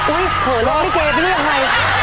อุ้ยเผลอรอลิเกเป็นเรื่องอะไร